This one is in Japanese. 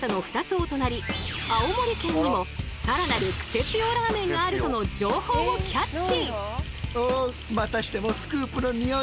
青森県にもさらなるクセつよラーメンがあるとの情報をキャッチ。